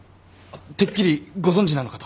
てっきりご存じなのかと。